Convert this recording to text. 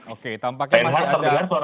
oke tampaknya masih ada